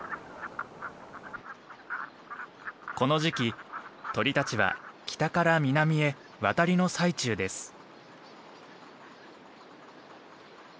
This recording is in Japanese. この時期鳥たちは北から南へ渡りの最中です。